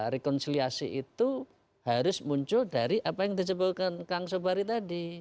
rekonsiliasi itu harus muncul dari apa yang disebutkan kang sobari tadi